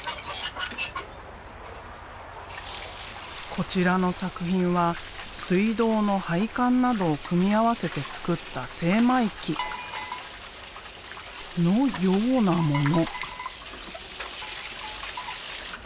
こちらの作品は水道の配管などを組み合わせて作った精米機のようなもの。